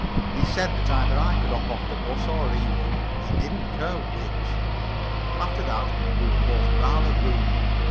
He then said that either I could hop off the 'bus or he would, and he didn't care which. After that we both were rather rude.